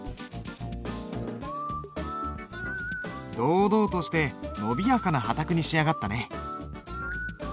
堂々としてのびやかな波磔に仕上がったね。